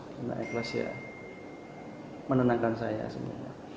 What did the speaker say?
karena ikhlas ya menenangkan saya sebenarnya